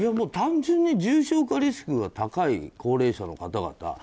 単純に重症化リスクが高い高齢者の方々